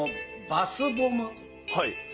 バスボム